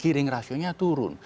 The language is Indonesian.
kiring rationya turun